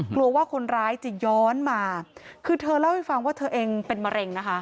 กลัวว่าคนร้ายจะย้อนมาคือเธอเล่าให้ฟังว่าเธอเองเป็นมะเร็งนะคะ